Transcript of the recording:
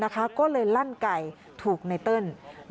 ก็เลยลั่นไก่ถูกไนเติ้ล